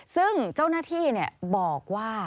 ซึ่งเจ้าหน้าที่บอกว่า